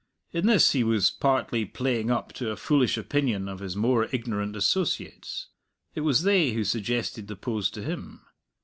In this he was partly playing up to a foolish opinion of his more ignorant associates; it was they who suggested the pose to him.